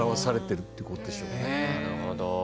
なるほど。